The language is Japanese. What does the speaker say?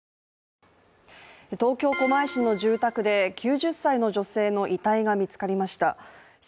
東京・狛江市の住宅で９０歳の女性の遺体が見つかりました。